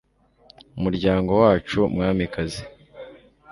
umuryango wacu mwamikazi